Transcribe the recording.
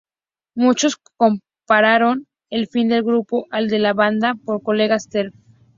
Muchos compararon el fin del grupo al del de la banda pop colega Steps.